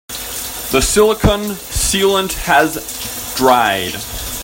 The silicon sealant has dried.